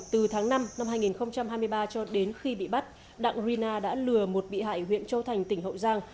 từ tháng năm năm hai nghìn hai mươi ba cho đến khi bị bắt đặng rina đã lừa một bị hại huyện châu thành tỉnh hậu giang